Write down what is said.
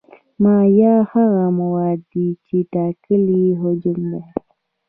مایع هغه مواد دي چې ټاکلی حجم لري.